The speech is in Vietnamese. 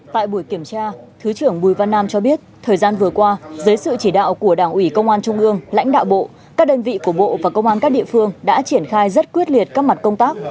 tại buổi kiểm tra thứ trưởng bùi văn nam cho biết thời gian vừa qua dưới sự chỉ đạo của đảng ủy công an trung ương lãnh đạo bộ các đơn vị của bộ và công an các địa phương đã triển khai rất quyết liệt các mặt công tác